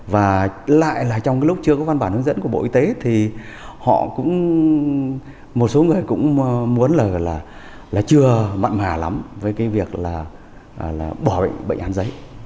và lại là trong cái lúc chưa có văn bản hướng dẫn của bộ y tế thì họ cũng một số người cũng muốn là chưa mặn mà lắm với cái việc là bỏ bệnh án giấy